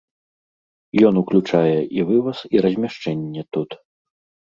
Ён уключае і вываз і размяшчэнне тут.